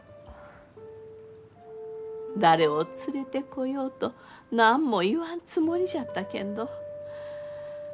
誰を連れてこようと何も言わんつもりじゃったけんど。